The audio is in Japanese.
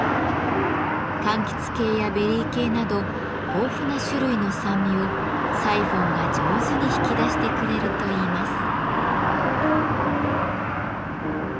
かんきつ系やベリー系など豊富な種類の酸味をサイフォンが上手に引き出してくれるといいます。